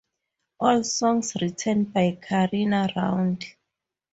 All songs written by Carina Round.